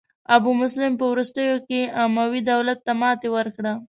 ابو مسلم په وروستیو کې اموي دولت ته ماتې ورکړه.